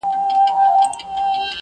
نن مي له زلمیو په دې خپلو غوږو واورېده،